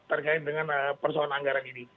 terkait dengan persoalan anggaran ini